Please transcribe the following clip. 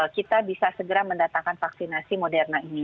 kita bisa segera mendatangkan vaksinasi moderna ini